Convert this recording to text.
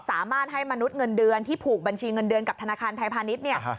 สามารถให้มนุษย์เงินเดือนที่ผูกบัญชีเงินเดือนกับธนาคารไทยพาณิชย์เนี่ย